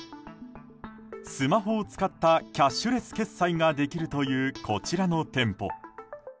スマホを使ったキャッシュレス決済ができるという、こちらの店舗。